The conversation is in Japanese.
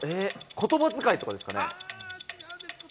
言葉遣いとかですかね？